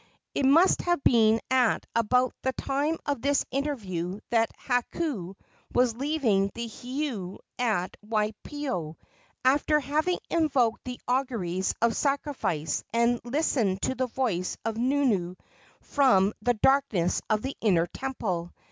It must have been at about the time of this interview that Hakau was leaving the heiau at Waipio, after having invoked the auguries of sacrifice and listened to the voice of Nunu from the darkness of the inner temple.